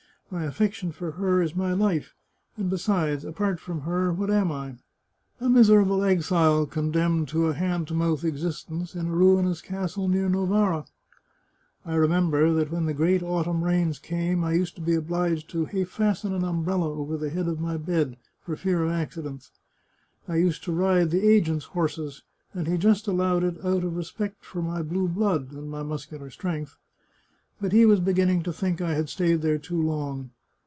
My affection for her is my life ; and besides, apart from her what am I? A miserable exile condemned to a hand to mouth existence, in a ruinous castle near Novara. I remember that when the great autumn rains came I used to be obliged to fasten an umbrella over the head of my bed, for fear of accidents. I used to ride the agent's horses, and he just allowed it out of respect for my blue blood (and my muscular strength). But he was beginning to think I had stayed there too long.